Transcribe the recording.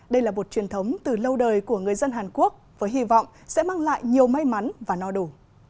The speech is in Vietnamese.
đây là một truyền thống từ lâu đời của người dân hàn quốc với hy vọng sẽ mang lại nhiều may mắn và no đủ